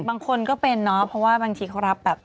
บางคนก็เป็นเนาะเพราะว่าบางทีเขารับแบบ